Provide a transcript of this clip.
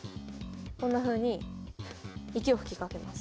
こんなふうにフッ息を吹きかけます。